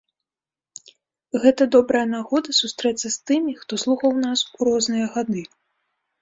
Гэта добрая нагода сустрэцца з тымі, хто слухаў нас у розныя гады.